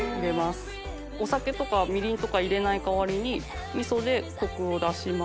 お酒とかみりんとか入れない代わりに味噌でコクを出します。